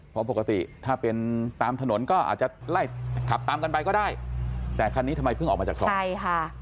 เพราะปกติถ้าเป็นตามถนนก็อาจจะไล่ขับตามกันไปก็ได้แต่คันนี้ทำไมเพิ่งออกมาจากซอยใช่ค่ะ